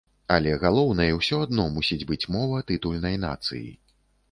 Але галоўнай усё адно мусіць быць мова тытульнай нацыі.